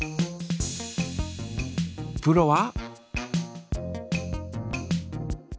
プロは？